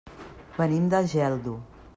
Venim de Geldo.